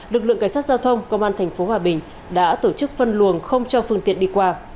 lực lượng cảnh sát giao thông công an tp hòa bình đã tổ chức phân luồng không cho phương tiện đi qua